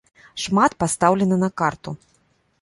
Шмат пастаўлена на карту.